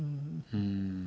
うん。